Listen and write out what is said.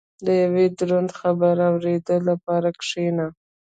• د یو دروند خبر اورېدو لپاره کښېنه.